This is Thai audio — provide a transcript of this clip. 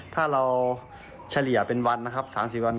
ถ้าเราเฉลี่ยเป็นวันนะครับ๓๐วัน